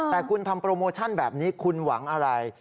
แต่คุณทำโปรโมชั่นแบบนี้คุณหวังอะไร